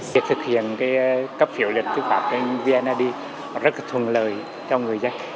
việc thực hiện cấp phiếu lý lịch tư pháp vnid rất thuận lợi cho người dân